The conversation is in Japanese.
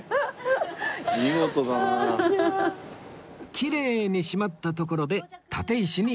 きれいに閉まったところで立石に到着です